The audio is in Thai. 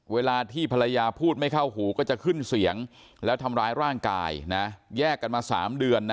เวลาที่ภรรยาพูดไม่เข้าหูก็จะขึ้นเสียงแล้วทำร้ายร่างกายแยกกันมา๓เดือนนะ